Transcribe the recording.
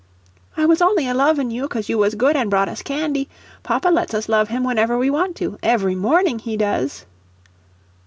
"I was only a lovin' you, cos you was good, and brought us candy. Papa lets us love him whenever we want to every morning he does."